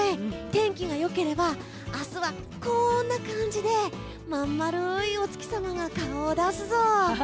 天気が良ければ明日はこんな感じでまん丸いお月様が顔を出すぞ。